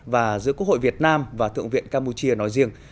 và giữa quốc hội việt nam và thượng viện campuchia nói riêng